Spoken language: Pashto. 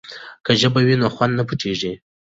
که ژبه وي نو خوند نه پټیږي.